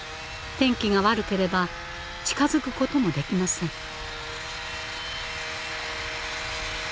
天気が悪ければ近づく事もできません。